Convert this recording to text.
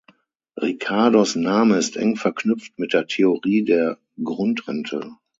Ricardos Name ist eng verknüpft mit der Theorie der Grundrente.